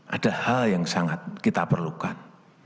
ada hal yang sangat kita perlukan